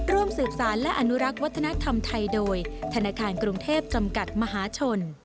ร่วมสืบสารและอนุรักษ์วัฒนธรรมไทยโดยธนาคารกรุงเทพจำกัดมหาชน